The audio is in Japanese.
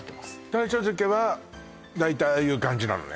鯛茶漬けは大体ああいう感じなのね？